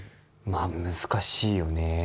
まあ難しいよね。